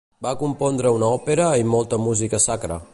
Va compondre una òpera i molta música sacra.